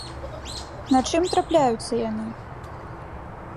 На чым трапляюцца яны?